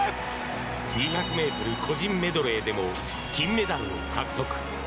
２００個人メドレーでも金メダルを獲得。